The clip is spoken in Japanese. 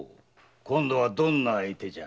今度はどんな相手じゃ。